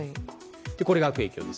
これが悪影響です。